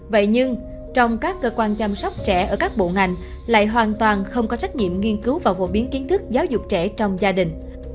vậy nhưng trong các cơ quan chăm sóc trẻ ở các bộ ngành lại hoàn toàn không có trách nhiệm nghiên cứu và phổ biến kiến thức giáo dục trẻ trong gia đình